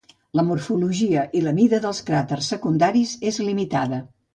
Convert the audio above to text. La morfologia i mida dels cràters secundaris és limitada.